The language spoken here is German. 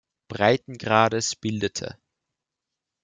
Breitengrades bildete.